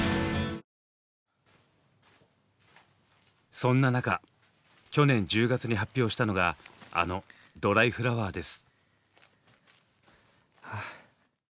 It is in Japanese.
そんな中去年１０月に発表したのがあの「ドライフラワー」です。